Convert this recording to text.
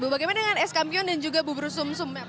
bagaimana dengan eskampion dan juga bubur sum sum